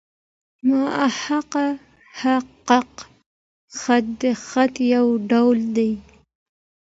محقق خط؛ د خط یو ډول دﺉ.